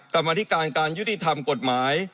กรรมธิการการยุติธรรมกฎหมาย